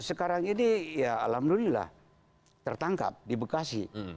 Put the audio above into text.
sekarang ini ya alhamdulillah tertangkap di bekasi